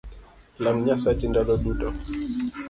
Lam Nyasachi ndalo duto